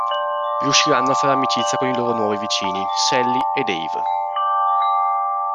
Riusciranno a fare amicizia con i loro nuovi vicini, Sally e Dave.